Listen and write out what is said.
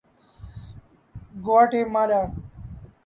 گواٹے مالا